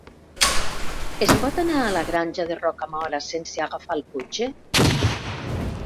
Es pot anar a la Granja de Rocamora sense agafar el cotxe?